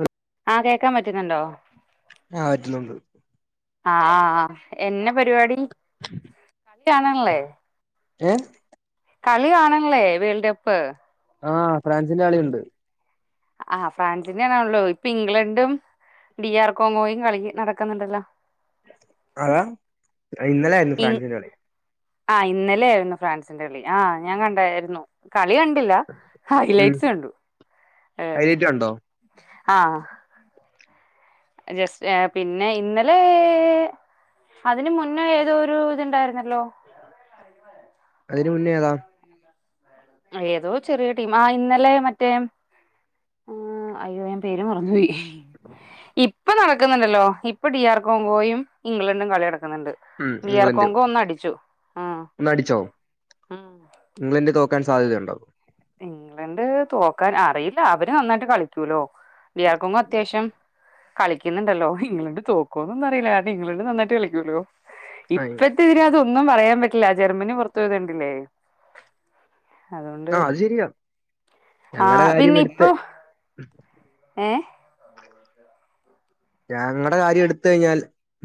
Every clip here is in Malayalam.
ആഹ ആ കേൾക്കാൻ പറ്റുന്നുണ്ടോ ആ പറ്റുന്നുണ്ട് ആഹ എന്ന പരിപാടി കളി കാണാണില്ലേ ഏ കളി കാണ്ല്ലേ വേൾഡ് കപ്പ് ആഹ് ഫ്രാൻസിന്റെ കളിയുണ്ട് ആഹ് ഫ്രാൻസിന്റെതന്നആണാല്ലേ ഇപ്പൊ ഇംഗ്ലണ്ടും ഡി ആർ കോങ്ങോയും കളി നടക്കുന്നുണ്ടല്ലോ അതാ ഇന്നലൊയരുന്നു ഫ്രാൻസിന്റെകളി ആഇന്നലെ ആയിരുന്നു ഫ്രാൻസിന്റെറെ കളി ആ് ഞാൻ കണ്ടായിരുന്നു കളി കണ്ടില്ല ഉം ഹൈലൈറ്റ്സ് കണ്ടു ഏർ ഹൈലൈറ്റ് കണ്ടോ ആഹ ജസ്റ്റ് പിന്നെ ഇന്നലെ അതിന് മുന്നേ ഏതോ ഒരു ഇതുണ്ടായിരുന്നല്ലോ [unintelligible] അയിന് മുന്നേ ഏതാ [inaudible] ഏതോ ചെറിയ ടീമാ ആ ഇന്നലെ മറ്റേ അയ്യോഞാ പേര് മറന്നോയി ഇപ്പൊ നടക്കുന്നുണ്ടല്ലോ ഇപ്പൊ ഡി ആർ കോങ്കോയും ഇംഗ്ലണ്ടും കളി നടക്കുന്നുണ്ട് ഉം ഇംഗ്ലണ്ട് ടിയർക്കോങ്കോ ഒന്നടിച്ചു ആഹ് ഒന്ന് അടിച്ചോ ഉം ഇംഗ്ലണ്ട് തോക്കാൻ സാധ്യതയുണ്ടോ ഇംഗ്ലണ്ട് തോക്കാൻ അറിയില്ല അവര് നന്നായിട്ട് കളി ക്കുലോ ടിയർ കൊങ്കോ അത്യാശ്യം കളിക്കുന്നുണ്ടല്ലോ ഇംഗ്ലണ്ട് തോക്കോന്നൊന്നും അറിയില്ല കാര ഇംഗ്ലണ്ട് നന്നായിട്ട് കളിക്കുല്ലോ ഇപ്പ ആഹ് ഇപ്പതിനകത്തു ഒന്നും പറയാൻ പറ്റില്ല ജർമ്മനി പുറത്തു പോയതുണ്ടില്ലേ ആഹ് അത് ശരിയാ ആ ഞങ്ങടെ കാര്യം പിന്നെ എടുത്ത് ഇപ്പൊ ഏ ഞങ്ങടെ കാര്യം എടുത്ത് കഴിഞ്ഞാൽ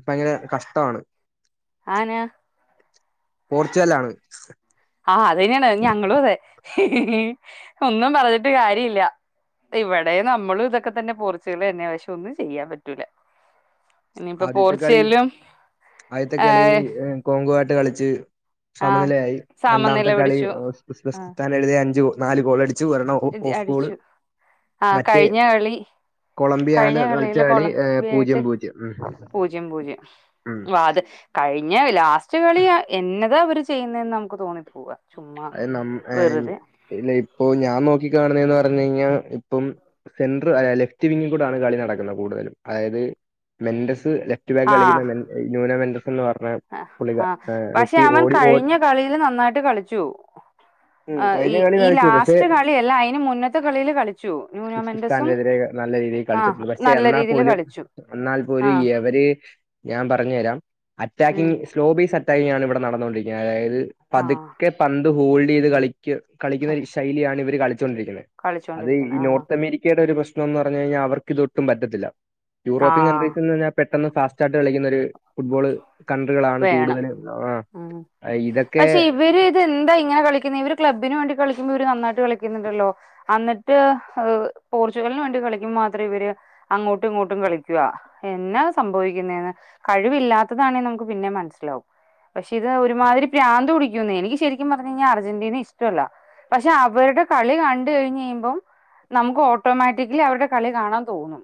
ഭയങ്കര കഷ്ടാണ് ആന പോർച്ചുഗൽ ആണ് ആഹ് അത് തന്നെയാണ് ഞങ്ങളും അതെ ഒന്നും പറഞ്ഞിട്ട് കാര്യല്ല ഇവിടെ നമ്മളും ഇതൊക്കെ തന്നെ പോർച്ചുഗൽ തന്നെ ഒന്നും ചെയ്യാൻ പറ്റൂല ഇനിയിപ്പ ആദ്യത്തെ കളി പോർച്ചുഗലും ആയി കോങ്കോ ആയിട്ട് കളിച്ച് ആഹ് സമനിലയായി രണ്ടാമത്തെ സമനില പിടിച്ചു ആഹ് കളിസ്ാൻ എഴുതി അഞ്ച് നാല് ഗോൾടിച്ചു ഒരണ്ണം ഓഫ് ഗോൾ അടിച്ചു ആഹ് മറ്റേ കഴിഞ്ഞ കളി കൊളംബിയ ആണ് കഴിഞ്ഞ കളിച്ച കളിയില് കളി കൊളംബിയ പൂജ്യം ആയിട്ട് പൂജ്യം ഉം പൂജ്യം പൂജ്യം ഉം വ അത് കഴിഞ്ഞ ലാസ്റ്റ് കളി എന്നതാ അവര് ചെയ്യുന്നതന്ന് നമുക്ക് തോന്നി പോവാ ചുമ്മാ അത് നം ഏഹ് വെറുതെ ഇല്ല ഇപ്പൊ ഞാൻ നോക്കി കാണുന്നെ പറഞ്ഞു കഴിഞ്ഞാ ഇപ്പം സെന്റർ ലെഫ്റ്റ് വിങ്ങി കൂടെണ് കളി നടക്കുന്നത് കൂടുതലും അതായത് മെൻറസ് ലെഫ്റ്റ് റ്റ് ബാഗ് കളിക്കുന്ന ന്യൂന മെൻറസ എന്ന് പറഞ്ഞാ ആ ആഹ് പക്ഷെ അവൻ കഴിഞ്ഞ കളിയില് നന്നായിട്ട് കളിച്ചു ഉം ആഹ് ഈ കഴിഞ്ഞ കളി ഈ കളിച്ചു പക്ഷെ ലാസ്റ്റ് കളിയല്ല അതിന് മുന്നത്തെ കളില് കളിച്ചു ന്യൂനോമെന്റസും ആഹ് കളിച്ചിട്ടുള്ളു പക്ഷെ നല്ല എന്നാ രീതിൽ പോലും കളിച്ചു എന്നാൽ പോലും ആഹ് യവര് ഞാൻ പറഞ്ഞു തരാം ഉം അറ്റാക്കിങ് സ്ലോ ബീസ് അറ്റാക്കിംഗണ് ഇവിടെ നടന്നുകൊണ്ടിരിക്കുന്നത് അതായത് പത് ആഹ് ക്കെ പന്ത് ഹോൾഡേയ്ത് കളിക്കു കളിക്കുന്ന ശൈലിയാണ് ഇവര് കളിച്ചോണ്ടിരിക്കുന്നെ അത് കളിച്ചോണ്ടിരിക്കുന്നു ഈ ആഹ് നോർത്ത് അമേരിക്കയുടെ ഒരു പ്രശ്ന ന്ന് പറഞ്ഞഴിഞ്ഞാ അവർക്ക് ഇതൊട്ടും പറ്റത്തില്ല യൂറോപ്യൻ ആഹ് കൺഡ്രീംസ് ന്ന് പറഞ്ഞാ പെട്ടെന്ന് ഫാസ്റ്റായിട്ട് കളിക്കുന്ന ദ് ഫുട്ബോള് കൺട്രികളാണ് വേണം കൂടുതല് ആഹ് ഇതൊക്കെ ഇതെന്താ ഇങ്ങനെ കളിക്കുന്നെ ഇവര് ക്ലബ്ബിന് വേണ്ടി കളിക്കുമ്പോ ഇവര് നന്നായിട്ട് കളിക്കുന്നുണ്ടല്ലോ അന്നിട്ട് പോർച്ചുഗലിന് വേണ്ടി കളിക്കുബം മാത്ര ഇവര് അങ്ങോട്ടും ഇങ്ങോട്ടും കളിക്കുവാ എന്നാ സംഭവിക്കുന്നേന്ന് കഴിവില്ലാത്തതാണെ നമുക്ക് പിന്നേം മനസ്സിലാവും പക്ഷെ ഇത് ഒരുമാതിരി പ്രാന്ത് പിടിക്കുന്നേ എനിക്ക് ശരിക്കും പറഞ്ഞു കഴിഞ്ഞാ അർജന്റീനേ ഇഷ്ടല്ല പക്ഷെ അവരുടെ കളി കണ്ട് കഴിഞ്ഞ് കഴിയുമ്പം നമുക്ക് ഓട്ടോമാറ്റിക്കലി അവരുടെ കളി കാണാൻ തോന്നും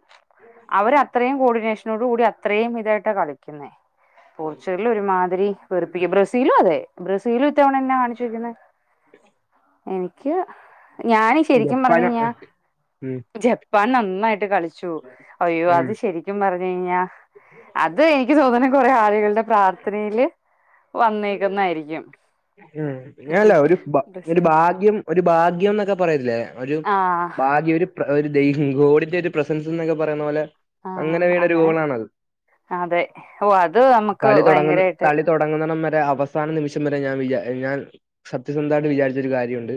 അവര് അത്രയും കോഡിനേഷനോട് കൂടി അത്രയും ഇതായിട്ട കളിക്കുന്നേ പോർച്ചുഗല് ഒരുമാതിരി വെറുപ്പിക്ക ബ്രസീലും അതെ ബ്രസീല് ഇത്തവണ എന്നാ കാണിച്ചുവെക്കുന്നെ എനിക്ക് ഞാന് ശരിക്കും ജപ്പാന പറഞ്ഞുഴിഞ്ഞാ ഉം, ജപ്പ് പൻ നന്നായിട്ട് കളിച്ചു അയ്യോ ഉം, അത് ശരിക്കും പറഞ്ഞു കഴിഞ്ഞാ അത് എനിക്ക് തോന്നന കൊറേ ആളുകളുടെ പ്രാർത്ഥനയില് വന്നേക്കുന്നായിരിക്കും ഉം ഇല്ലല്ല ഒരു ഭ ഒരു ബ്രസീൽ ഭാഗ്യം ഒരു ഭാഗ്യന്നൊക്കെ പറയില്ലേ ഒരു ആഹ് ഭാഗ്യം ഒരു പ്ര ഒരു ദൈവി ഗോടിന്റെ ഒരു പ്രസൻസ് ന്നൊക്കെ പറയുന്ന പോലെ അങ്ങനെ വീണോരു ഗോളാണത് അതെ ഓ അത് നമുക്ക് കളി തുടങ്ങന്ന ഭയങ്കരായിട്ട് കളി തുടങ്ങുന്നടം വരെ അവസാന നിമിഷം വരെ ഞാൻ വിചാ ഞാൻ സത്യസന്ധമായിട്ട് വിചാരിച്ചൊരു കാര്യമുണ്ട്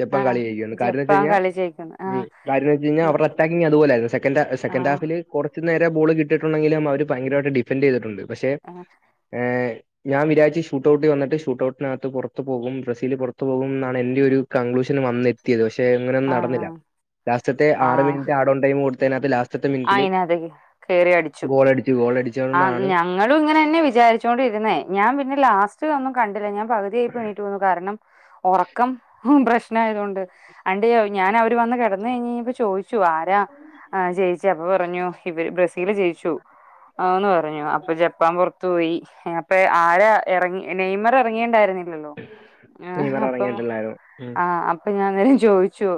ജപ്പാൻ ആഹ് കളി ജയ്ക്കുന്ന് കാര്യോന്നു ജപ്പാൻ വെച്ചഴിഞ്ഞാ കളി ജയിക്കുന്ന് ഉം ആഹ് കാര്യോന്നു വെച്ചഴിഞ്ഞാ ഉം അവർ അറ്റാക്കിംങ് അതുപോലായിരുന്നു സെകൻ് ഹ സെക്കൻഡ് ആഹ് ഹാഫില് കുറച്ച് നേരവേ ബോള് കിട്ടിട്ടുണ്ടങ്കിലും അവര് പയങ്കരമായിട്ട ഡിഫൻഡ് ചെയ്തിട്ടുണ്ട് പക്ഷേ ആഹ് ഏഹ് ഞാൻ വിചാരിച്ച് ഷൂട്ടഔട്ട് വന്നിട്ട് ട്ഷൂട്ട് ഔട്ടിനകത്ത് പുറത്ത് പോകും ബ്രസീൽ പുറത്ത് പോകും എന്നാണ് എന്റെറെ ഒര് കൺക്ലൂഷൻ വന്നി [unintelligible] പക്ഷെ അങ്ങനൊന്നും നടന്നില്ല ആഹ് ലാസ്റ്റത്തെ ആറ് ആഹ് മിനിറ്റ് ആടോൺ ടൈം കൊടുത്തതിനകത്ത് ലാസ് സ്റ്റത്തെ മിനിറ്റില് അയിനകത്തേക്ക് കേറി ഗോളടിച്ചു ഗോളടിച്ചോളും എന്നാണ് ങ്ങളും ഇങ്ങനെ തന്നെ വിചാരിച്ചോണ്ടിരുന്നേ ഞാൻ പിന്നെ ലാസ്റ്റ് ഒന്നും കണ്ടില്ല ഞാൻ പകുതിയായപ്പോ എണ്ണിറ്റുപോന്നു കാരണം ഉറക്കം പ്രശ് യതൊണ്ട് ആണ്ട് ഞാൻ അവര് വന്ന് കിടന്ന് കഴിഞ്ഞഴിഞ്ഞപ്പോ ചോദിച്ചു ആരാ ജയിച്ച അപ്പൊ പറഞ്ഞു ഇവര് ബ്രസീല് ജയിച്ചു ആന്ന് പറഞ്ഞു അപ്പൊ ജപ്പാൻ പുറത്ത് ത്ത് പോയി അപ്പൊ ആരാ ഇറങ്ങി നെയ്മർ ഇറങ്ങിണ്ടായിരുന്നി ഇല്ലല്ലോ ആഹ് നെയ്മർ അപ്പൊ ഇറങ്ങിയിട്ടുണ്ടായിരുന്നത് ഉം. ആഹ് അപ് അപ്പൊ ഞാൻ അന്നേരം ചോദിച്ചു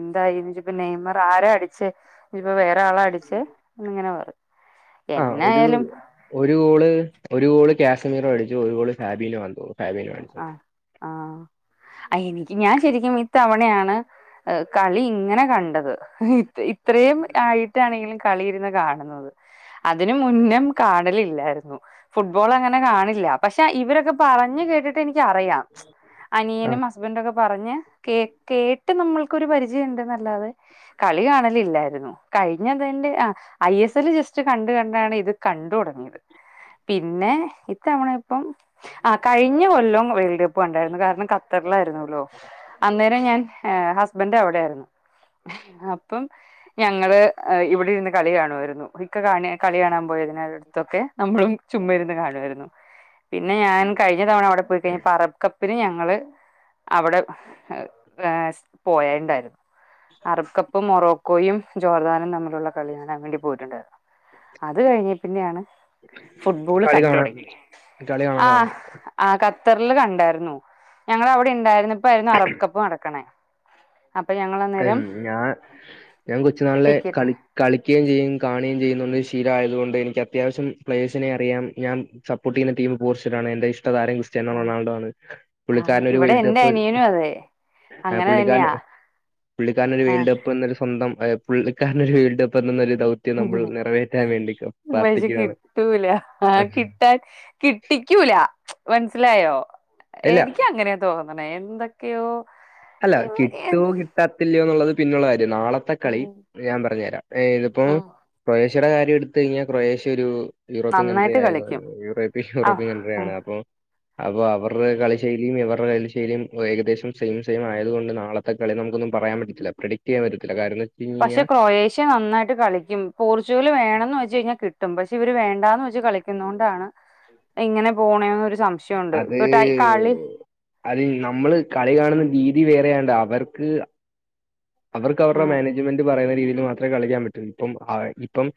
എന്തായിന്ന് ചോയിച്ചപ്പോൾ നെയ്മർ ആരാ അടിച്ചേ ഇനി ഇപ്പൊ വേറെ ഒരാള അടിച്ച് എന്ന് ഇങ്ങനെ പറഞ്ഞ് ആഹ് ഒരു ഒരു ഗോള് ഒരു ഗോള് കാശ്മീറും അടിച്ചു ഒരു ഗോള് ഫാബീലും ആഹ് തോന്ന് ഫബീലും ആഹ് അടിച്ചത് ആഹ് അ എനിക്ക് ഞാൻ ശരിക്കും ഇത്തവണയാണ് കളി ഇങ്ങനെ കണ്ടത് ഇത്രയും ആയി ട്ട് ആണെങ്കിലും കളിയിരുന്ന് കാണുന്നത് അതിന് മുന്നേം കാണലില്ലായിരുന്നു ഫുട്ബോൾ അങ്ങനെ കാണില്ല പക്ഷെ ഇവരൊക്കെ പറഞ്ഞ് കേ പോ എനിക്കറിയാം ആ അനിയനും ഹസ്ബന്റ് ഒക്കെ പറഞ്ഞ് കേ കേ [unintelligible] നമ്മൾക്കൊരു പരിചയം ഉണ്ട് നല്ലാതെ കളി കാണലില്ലായിരുന്നു കഴിഞ്ഞതിന്റെ ആഹ് ഐ എസ് എൽ ജസ്റ്റ് കണ്ട് കണ്ടാണ് ഇത് കണ്ടു തുടങ്ങിയത് പിന്നെ ഇത്തവണ ഇപ്പം ആഹ് കഴി ഞ്ഞ കൊല്ലം വേൾഡ് കപ്പ് കണ്ടായിരുന്നു കാരണം കത്തറിലായിരുന്നുല്ലോ അന്നേരം ഞാൻ ഹസ്ബൻറ് അവിടെയായിരുന്നു അപ്പം ഞങ്ങള് ഇവിടെ ഇരുന്ന് കളി കാണുമായിരുന്നു ഇക്ക കാണ കളി കാണാൻ പോയതിന അടുത്തൊക്കെ നമ്മളും ചുമ്മ ഇരുന്ന് കാണുമായിരുന്നു പിന്നെ ഞാൻ കഴ അവിടെ പോയി കഴിഞ്ഞ [unintelligible] അവിടെ [unintelligible] പോയണ്ടായിരുന്നു അറക്കപ്പും മൊറോക്കോയും ജോർദാനും തമ്മിലുള്ള കളി കാണാൻ വേണ്ടി പോയിട്ടുണ്ടയിരുന്നു അത് കഴിഞ്ഞ പിന്നെയാണ് ഫുട്ബോള് കളി കണ്ട കാണാൻ തുടങ്ങിത് കളി ആ കാണാൻ ആ ഖത്തറിില് കണ്ടായിരുന്നു ഞങ്ങ അവിടെ ഇണ്ടായിരുന്നപ്പായിരുന്നു അറബ് കപ്പ് നടക്കണേ അപ്പൊ ഞങ്ങള് അന്നേരം ഞാ ഞാൻ കൊച്ചു നാളിലെ ടിക്കറ്റ് കളി- കളിക്കുകയും ചെയ്യും കാണുകയും ചെയ്യുന്നുണ്ട് ശീലയതുക കൊണ്ട് എനിക്ക് അത്യാവശ്യം പ്ലേഴ്സിനെ അറിയാം ഞാൻ സപ്പോർട്ട് ചെയുന്ന ടീം പോർജുഗലാണ് എന്റെ ഇഷ്ട താരം ക്രിസ്റ്റ്യാനോ ക്രിസ്റ്റ്യാനേ റൊണാൾഡോ ആണ് ആ പുള്ളിക്കാരൻ ഒരു ഇവിടെ വേൾഡ് എന്റെ കപ്പ് അനിയനും അതെ അങ്ങനെ പുള്ളിക്കാരൻ തന്നെയാ പുള്ളിക്കാരൻരു ആഹ് വേൾഡ് കപ്പ് എന്നൊരു സ്വന്തം പുള്ളിക്കാരനരു വേൾഡ് കപ്പ് എന്നൊരു നമ്മൾ [unintelligible] നിറവേറ്റാൻ വേണ്ടി പ്രാർത്ഥിക്കുകയാണ് കിട്ടൂല ആ കിട്ടാൻ കി ിക്കൂല മനസ്സിലായോ ഇല്ല എനിക്ക് അങ്ങനെയാ തോന്നണേ എന്തൊക്കെയോ അല്ല കിട്ടോ ഉം കിട്ടാത്തില്ലയോന്നുള്ളത് പിന്നുള്ള കാര്യം നാളത്തെ കളി ഞാൻ പറഞ്ഞു തരാം ഏ് ഇതിപ്പോ ഉം ക്രൊയേഷ്യയുടെ കാര്യം എടുത്ത് കഴിഞ്ഞാൽ ക്രൊയേഷ്യ ഒരു യൂറോപ്യൻ കൺട്രി നന്നായിട്ട് ആയത് കളിക്കും യൂറോപ്യ ആ യൂറോപ്യൻ കൺട്രിയ ആ ആണ് അപ്പൊ അപ്പൊ അവരുടെ കളിശൈലിയും ഇവരുടെ കളിശൈലിയും ഏകദേശം സൈം സെയി ആയത് കൊണ്ട് നാളത്തെ കളി നമുക്കൊന്നും പറയാൻ പറ്റത്തില്ല പ്രഡിറ്റ് ചെയാൻ പത്തില്ല കാരണം പക്ഷെ കഴിഞ്ഞാൽ ക്രൊയേഷ്യ നന്നായിട്ട് കളിക്കും പോർച്ചുഗൽ വേണന്ന് വെച്ച് കഴിഞ്ഞാൽ കിട്ടും പക്ഷെ ഇവര് വേണ്ട [inaudible] കളിക്കുന്ന കൊണ്ടാണ് ഇങ്ങനെ പോണന്നരു സംശയം ഉണ്ട് അത് [unintelligible] കളി അത് നമ്മള് കളി കാണുന്ന രീതി വേറെയാണ്ട് അവർക്ക് അവർക്ക് ആ അവരുടെ മാനേജ്മെന്റ്പറയുന്നരീതിൽ മാത്രമെ കളിക്കാൻ പറ്റു ഇപ്പംഅ ഇപ്പം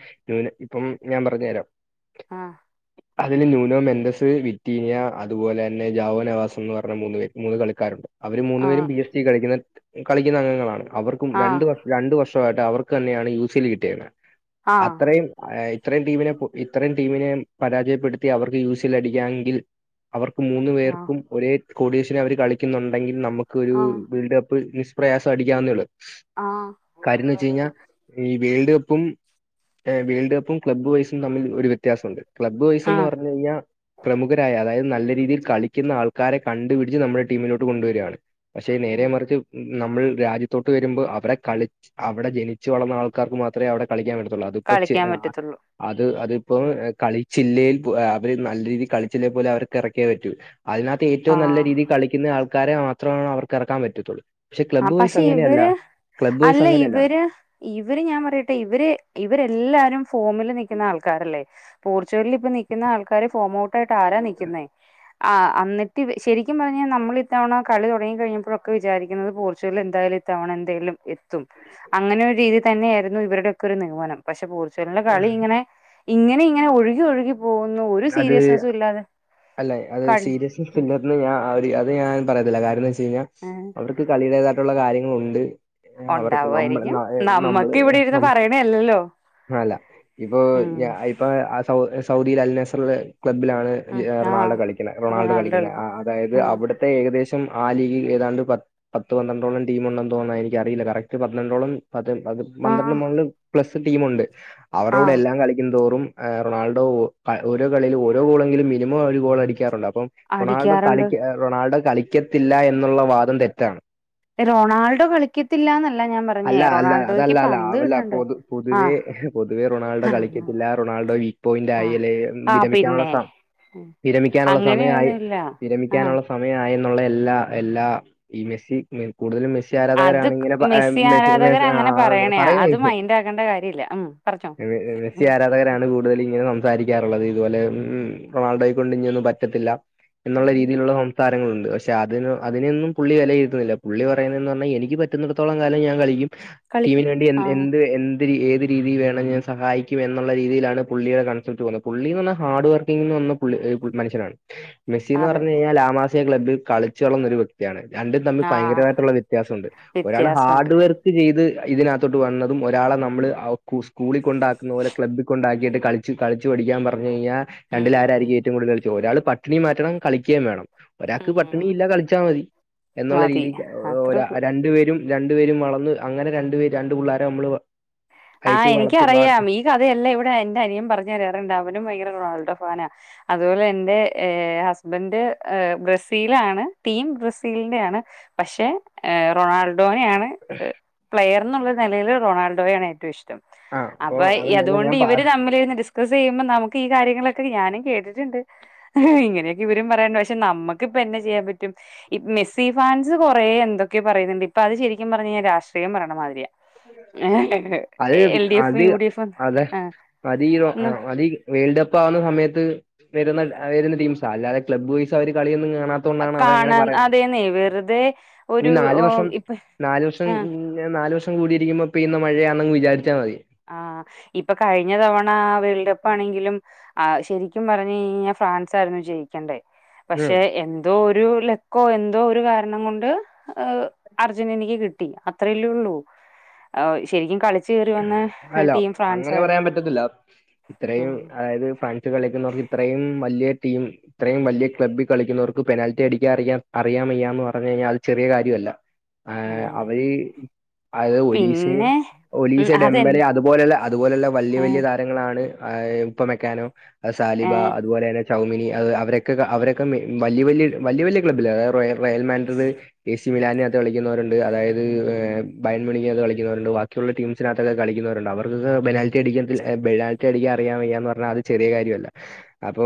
ഇപ്പം ഞാൻ പറഞ്ഞ തരാം ആഹ് അതില് ന്യൂനോ മെന്തസ് വിറ്റീനിയ അതുപോലെ തന്നെ ജാവോ നവാസ് എന്ന് പറഞ്ഞ മൂന്ന് മൂന്ന് കളിക്കാര് അവര് മൂന്നു ആ പരും പി എസ് സി കളിക്കുന്ന കളിക്കുന്ന അംഗങ്ങളാണ് അവർക്കും ആ രണ്ട് വർഷ രണ്ടു വർഷമായിട്ട് അവർക്ക് തന്നെയാണ് യു സിൽ കിട്ടിയത് ആ അത്രയും ആ ഇത്രയും ടീമിനെ ഇത്രയും ടീമിനെ പരാജയപ്പെടുത്തി അവർക്ക് യുസിൽ അടിക്കാമെങ്കിൽ അവർക്ക് മൂന്നു ആ പേർക്കും ഒരേ കോഡിഷനി അവർ കളിക്കുന്നുണ്ടെങ്കിൽ നമുക്ക് ഒരു ആ ആ വേൾഡ് കപ്പ് [unintelligible] പ്രയാസം അടിക്കാവ്ന്നെയൊള്ളൂ ആ കാര്യംന്ന് വെച്ച് കഴിഞ്ഞാ ഈ വേൾഡ് കപ്പും ഏഹ് വേൽഡ് കപ്പും ക്ലബ്ബ് വൈസും തമ്മിൽ ഒരു വ്യത്യാസാെണ്ട് ക്ലബ്ബ് വൈസ്ന്ന് പർഞ്ഞ്യ്ഞ്ഞാ പ്രമുഖരായ അതായത് നല്ല രീതിയിൽ കളിയ്ക്ന്ന ആൾക്കാരെ കണ്ടുപിടിച്ച് നമ്മടെ ടീമിലോട്ട് കൊണ്ടുവരാണ് പക്ഷെ നേരെ ഉം. മറിച്ച് നമ്മൾ രാജ്യ തൊട്ട് വര്മ്പോ അവടെ കളി അവടെ ജനിച്ച് വളർന്ന ആൾക്കാർക്ക് മാത്രമേ അവടെ കളിക്കാൻ പറ്റത്തൊള്ളൂ അതിപ്പോ ച്ച് കളിക്കാൻ പറ്റത്തുള്ളൂ അത് അതിപ്പോം ഉം. എ കളിച്ചില്ലേൽ പോല് ഏഹ് അവര് നല്ല രീതീ കളിച്ചില്ലേ പോലും അവർക്ക് എറക്കിയേ പറ്റൂ അതിനകത്ത് ആ ഏറ്റവും നല്ല രീതീ കളിക്ക്ന്നെ ആൾക്കാരെ മാത്രമാണ് അവർക്ക് എറക്കാൻ പറ്റെത്താെള്ളൂ പക്ഷെ ക്ലബ് വൈസ് അങ്ങനെയല്ല തിവര് ക്ലബ്ബ് വൈസ് അല്ല അങ്ങനെയല്ല ഇവര് ര് ഇവര് ഞാൻ പറയട്ടെ ഇവര് ഇവരെല്ലാരും ഫോമില് നിൽക്ക്ന്ന ആൾക്കാരല്ലേ പോർച്ചുഗൽല് ഇപ്പ നിക്ക്ന്ന ആൾക്കാര് ഫോംമൗട്ടായിട്ട് ആരാ നിക്ക്ന്നേ ആഹ് അന്നിട്ട് ഇവ ശെരിക്കും പറഞ്ഞാ നമ്മളിത്തവണ കളി തുടങ്ങി കഴിഞ്ഞപ്പാെഴൊക്കെ വിചാരി ക്ക്ന്നത് പോർച്ചഗല്ലെന്തായാലും ഇത്തവണ എന്തായാലും എത്തും അങ്ങനെ ഒരു രീതി തന്നെയായിരുന്നു ഇവരുടൊക്കെ ഒരു നിഗമനം പക്ഷെ പോർച്ചുഗൽന്റെ കളി ഇങ്ങെനെ ഇങ്ങെനെ ഇങ്ങെനെ ഒഴുകി ഒഴുകി പോകുന്നു ഒരു അത് സീരിയസ്നെസ്സും ഇല്ലാതെ അല്ല അത് കളി സീരിയസ്‌ സ് ഉം [unintelligible] ന്ന് ഞാ ര് അത് ഞാൻ പറയത്തില്ല കാര്യംന്ന് വെച്ച് കയ്ഞ്ഞാ ഉം അവർക്ക് കളിയുടേതായ്ട്ടുള്ള കാര്യങ്ങളുണ്ട് അവർക്ക് നമ്മൾ ഉണ്ടാവുമായിരിക്കും ഏഹ് നമ്മള് നമ്മക്ക് ഇവിടെ ഏഹ് ഇരുന്ന് നമ്മള് പറയണല്ലല്ലോ അലാ ഇപ്പൊ ഉം ഇപ്പൊ ആ സൗ സൗദീല് അൽനസർല് ക്ലബ്ബ്ലാണ് ഉം ആ റണാൾഡ കളിക്ക്ണ റൊണാൾഡ റൊണാൾഡോ കളിക്കുന്ന. അ കളിക്കും അതായത് ഉം അവിടുത്തെ ഏകദേശം ആലീഗിഏതാണ്ട് പത് പത്ത് പന്ത്രണ്ടോളം ടീം ഉണ്ടെന്ന് തോന്നുന്നു. എനിക്ക് അറീല. കറക്റ്റ് പന്ത്രണ്ടോളം അത്പത് ആ പന്ത്രണ്ട് മുകളിൽ പ്ലസ് ടീമ് ഉണ്ട്. ആ അവരോട് എല്ലാം കളിക്കുംന്തോറും. റൊണാൾഡോ ഒ ഓരോ കളീലും ഓരോളെങ്കിലും മിനിമം ഒരു ഗോൾ അടിക്കാറണ്ട്. അപം റൊണാൾഡോ അടിക്കാറുണ്ട് കളിക്ക റൊണാൾഡോ കളിക്കത്തില്ല എന്നുള്ള വാദം തെറ്റാണ്. റൊണാൾഡോ കളി അല്ല അല്ല അതല്ല അല്ല പന്ത് അവല്ല കിട്ടണ്ടേ പൊതു ആ പൊതുവേ പൊതുവേ റൊണാൾഡ ആഹ് കളി കിട്ടില്ല റൊണാൾഡോ വീക്ക് പോയിന്റ് ആഹ് ആയില്ലേ ആഹ് പിന്നെ വിരമിക്കാന്ള്ളസമ വിരമിക്കാനുള്ള സമയയി അങ്ങനെയൊന്നുല്ല ആഹ് വിരമിക്കാനുള്ള സമയായെന്നുള്ള എല്ലാ എല്ലാ ഈ മെസ്സി കൂടുതലും മെസ്സി അത് ആരാധകരണ ഇങ്ങനെ വ മെസ്സി ആരാധകർ ആഹ് അങ്ങനെ ആഹ് പറയണയാ അത് പറയുന്നേതേക്ക് മൈൻഡ് ആക്കേണ്ട കാര്യല്ല ഉം പറഞ്ഞോ മെസ്സി ഉം ആരാധകരാണ് കൂടു കൂടുതൽ ഇങ്ങനെ മുതല് സംസാരിക്കാറുള്ളത് ഇതുപോലെ ഉംഉം റൊണാൾഡെയ കൊണ്ട് ഇനിയന്നും പറ്റത്തില്ല എന്നുള്ള ഉം. രീതിയിലുളളസംസാരങ്ങളുണ്ട് പക്ഷെ അതിനൊ അതിനൊന്നും പുള്ളി വെലയിരുത്തുന്നില്ല പുള്ളി പ കേന്എനിക്ക് പറ്റുന്നിടത്തോളം കാലം ഞൻ കളിക്കും കളിക്കും ടീമിന് ആഹ് വേണ്ടിഎന്ത് എ ള്ളിഏത് രീതിയിൽ വേണങ്കിലും സഹായിക്കും എന്നുള്ള രീതിയിലാണ് പുള്ളിയുടെ കൺസപ്റ്റ്സ് വന്ന് പുള്ളി ഹാർട് വർക്കിംഗിന് [unintelligible] മനുഷ്യനാണ് മെസ്സി എന്ന് അതെ പറഞ്ഞു കഴിഞ്ഞാൽ ലാമാസിയെ ക്ലബ്ബിൽ കളിച്ചു വളർന്നൊരു വ്യക്തി കയാണ് രണ്ടും തമ്മിൽ ആഹ് ഭയങ്കരയയിട്ടുള്ള വ്യത്യാസം ഉണ്ട് ഒരാൾ വ്യത്യാസണ്ട് ഹാർഡ് സച് ഇതിനകത്തോട്ട് വന്നതും ഒരാളെ നമ്മള്അവ്ക് സ്കൂളിൽ കൊണ്ടാക്കുന്നതൊക്കെ ക്ലബ്ബ് കൊണ്ടാക്കിട്ട് കളിച്ച് കളിച്ച് പഠിക്കാൻ വ അതിനെ പറഞ്ഞ് കഴിഞ്ഞാ ഉം രണ്ടില നയ്യരണ്ടിആരായിരിക്കും ഏറ്റവും കൂടുതൽ കളിച്ചത് ഒരാൾ പാർട്ടി മാറ്റണം കളിക്കേയും വേണം ഒരാക്ക് ഉം പട്ടിണി ഇല്ല കളിച്ചാ മതി എന്നുള്ള മതി രീതിക്ക് അത്രേ ഉള്ളൂ ഒരരണ്ട് പേര് രണ്ടു പേരും വളർന്ന് അങ്ങനെ രണ്ടു പേര് രണ്ട് പിള്ളേരെ നമ്മള് ആഹ് അയച്ച് എനിക്ക വളർത്തി അറിയാം വളർത്തി ഈ കഥയല്ല ഇവിടെ എന്റെ അനിയും പറഞ്ഞു തരാറുണ്ട് അവനും ഭയങ്കര റൊണാൾഡോ ഫാനാ അതുപോലെ എൻന്റെ ഹസ്ബൻഡ് ബ്രസീലാണ് ടീം ബ്രസീലിന്റെ ആണ് പക്ഷെ റൊണാൾഡോനെയാണ് പ്ലയർ എന്ന്നുള്ള നിലയിൽ റൊണാൾഡോയാണ് ഏറ്റവും ഇഷ്ടം ആ അപ്പൊ അതന്നെയല്ല അതുകൊണ്ട് ഞാൻ പറ ഇവര് തമ്മില്ലായിരുന്നു [unintelligible] [unintelligible] ചെയ്യുമ്പോം നമുക്ക് ഈ കാര്യങ്ങളൊക്കെ ഞാനും കേട്ടിട്ടുണ്ട് [unintelligible] ഇങ്ങനൊക്കെ ഇവരും പറയാനണ്ട് പക്ഷെ നമ്മുക്ക്ിപ്പൊ എന്ന ചെയ്യാൻ പറ്റും ഇപ്പൊ മെസ്സി ഫാൻസ് കുറെേ എന്തൊക്കെ പറയുന്നുണ്ട് ഇപ്പൊ അത് ശരിക്കും പറഞ്ഞു കഴിഞ്ഞാൽ രാഷ്ട്രീയം പറയണ മാതിരിയാ അത് എൽ ഡി എഫും അത് യു ഡി എഫും അതെ ആ [unintelligible] വേൾഡ് കപ്പ് ആവുന്ന സമയത്ത് വരുന്ന വരുന്ന ടീംസാ അല്ലാതെ ക്ലബ് വോയിസ് അവ കളിയൊന്നും കാണാ [unintelligible] അവരങ്ങനെ കാണാൻ പറയാ അതേന്നെ വെറുതെ ഇനി ഒരു നാല് വർഷം ഇപ്പ നാല് വർഷം ആ [unintelligible] ന്നാ നാല് വർം കൂടിയിരിക്കുമ്പോ പെയ്യുന്ന മഴയാണെന്ന്ങ് വിചാരിച്ചൽ മതി ആ ഇപ്പൊ കഴിഞ്ഞ തവണ വേൾഡ് കപ്പ് ആണെങ്കിലും ആ ശരിക്കും പറഞ്ഞഞ് കഴഞ്ഞാൽ ഫ്രാൻസ്ായിരുന്നു ജയിക്കണ്ടേ ഉം പക്ഷെ എ എന്തൊരു ലക്കോ എന്തോ ഒരു കാരണം കൊണ്ട് ഹ് അർജന്റീനക്ക് കിട്ടി അത്രല്ലേള്ളൂ ശരിക്കും കളിച്ച കയറി വന്ന് അല്ലാ അങ്ങനെ പറയാൻ പറ്റത്തില്ല ഇത്രയും ഉം അതായത് ഫ്രാൻസ് കളിക്കുന്നവർക്ക് ഇത്രയും വലിയ ടീം ഇത്രയും വലിയ ക്ലബ്ബിൽ കളിക്കുന്നർക്ക് പെനൽറ്റി അടിക്കാ അറിയാ അറിയാമയ്യ എന്ന് പറഞ്ഞു കഴിഞ്ഞാൽ അത് ചെറിയ കാര്യമല്ല ആ ഉം അവര് അത് ഒലീസ് പിന്നെ ഒലീസ ഉം അതെൻ ഡെമ്പല് അതുപോലുള്ള അതുപോലെയുള്ള ഏഹ് വല്ല്യവല്ല്യതാരങ്ങളാണ് ആഹ് ഇപ്പ മെക്കാനോ സാലിബ ഏഹ് അതുപോലെ തന്നെ ചൗമിനി അത് അവരൊക്കെ അവരൊക്കെ വല്ല്യ വല്ല്യ വല്ല്യ വല്ല്യാ ക്ലബ്ബിലാ അതായത് റയ ട്രയൽമാന്റ്റ് എസിമിലാനിനക കളിക്കുന്നവരുണ്ട് അതായത് ബയൻമണിനക കളിക്കുന്നവരുണ്ട് ത്തുള്ള ടീംസിനകത്തൊക്കെ കളിക്കുന്നവരുണ്ട് അവർക്കൊക്കെ ബെനാൽറ്റി അടിക്കത്തില്ല ബെനാൽറ്റി അടിക്കാൻ അറിയാൻ വയ്യാന്ന് പറഞ്ഞാ അത് ചെറിയ കാര്യമല്ല അപ്പൊ